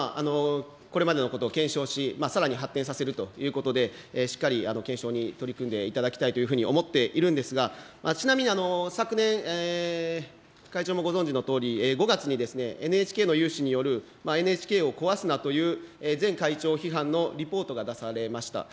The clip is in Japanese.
これまでのことを検証し、さらに発展させるということで、しっかり検証に取り組んでいただきたいというふうに思っているんですが、ちなみに、昨年、会長もご存じのとおり、５月にＮＨＫの有志によるＮＨＫを壊すなという前会長批判のリポートが出されました。